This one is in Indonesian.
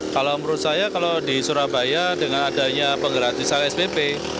kalau menurut saya kalau di surabaya dengan adanya penggratisan spp